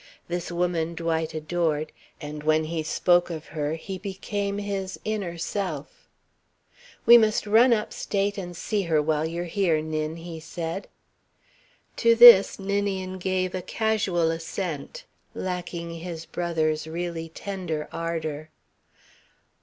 This woman Dwight adored, and when he spoke of her he became his inner self. "We must run up state and see her while you're here, Nin," he said. To this Ninian gave a casual assent, lacking his brother's really tender ardour.